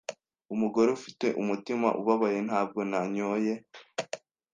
umugore ufite umutima ubabaye ntabwo nanyoye